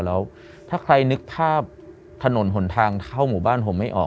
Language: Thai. แล้วถ้าใครนึกภาพถนนหนทางเข้าหมู่บ้านผมไม่ออก